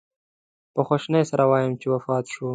په خواشینۍ سره ووایم چې وفات شو.